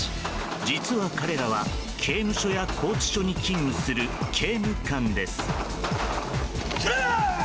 実は彼らは刑務所や拘置所に勤務する刑務官です。